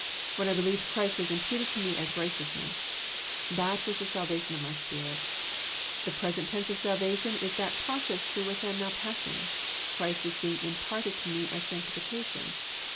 When I believed Christ was imputed to me as rifirhteousness. That was the salvation of my spirit. The present tense of salvation is that process through which I am now passing. Christ is being imparted to me as sanctification.